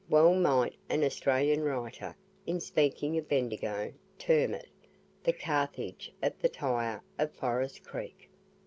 Well might an Australian writer, in speaking of Bendigo, term it "The Carthage of the Tyre of Forest Creek."